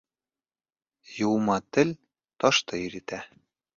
Йыума тел ташты иретә.